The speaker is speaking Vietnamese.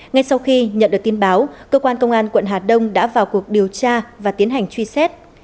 ngay sau khi nhận được tin báo cơ quan công an tp hcm đã vào cuộc điều tra và tiến hành truy xét